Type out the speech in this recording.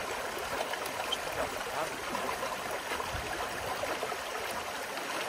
Er spielte auch Piano in einigen von Carmens Bands.